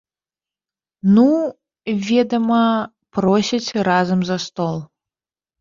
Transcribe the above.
Ну, ведама, просяць разам за стол.